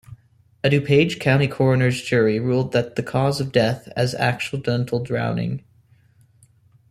A DuPage County coroner's jury ruled the cause of death as accidental drowning.